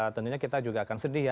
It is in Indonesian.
tentunya kita juga akan sedih ya